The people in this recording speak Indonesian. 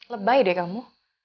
lebay deh kamu